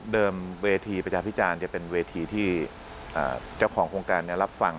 เวทีประชาพิจารณ์จะเป็นเวทีที่เจ้าของโครงการรับฟัง